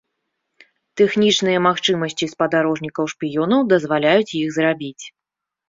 Тэхнічныя магчымасці спадарожнікаў-шпіёнаў дазваляюць іх зрабіць.